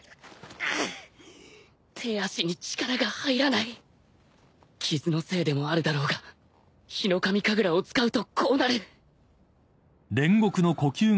手足に力が入らない傷のせいでもあるだろうがヒノカミ神楽を使うとこうなるハァ。